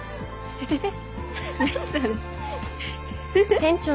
えっ？